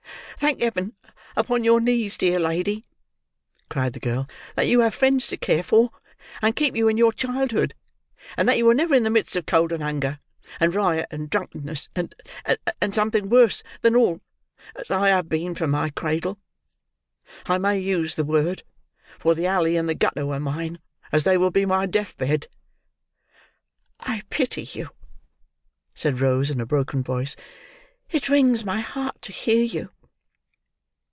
"Thank Heaven upon your knees, dear lady," cried the girl, "that you had friends to care for and keep you in your childhood, and that you were never in the midst of cold and hunger, and riot and drunkenness, and—and—something worse than all—as I have been from my cradle. I may use the word, for the alley and the gutter were mine, as they will be my deathbed." "I pity you!" said Rose, in a broken voice. "It wrings my heart to hear you!"